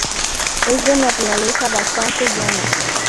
Es de naturaleza bastante llana.